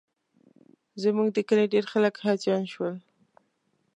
زموږ د کلي ډېر خلک حاجیان شول.